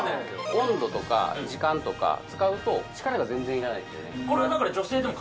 温度とか時間とか使うと力が全然要らないですよね